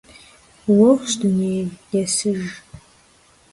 Уэгъущ дунейр, есыж.